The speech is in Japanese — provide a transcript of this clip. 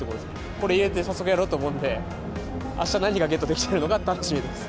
これ入れて早速やろうと思うんで、あした何がゲットできてるのか楽しみです。